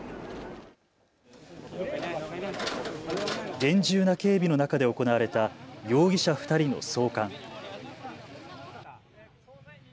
厳重な警備の中で行われた容疑者２人の送還。